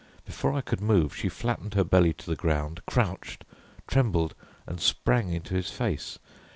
Before I could move she flattened her belly to the ground, crouched, trembled, and sprang into his face.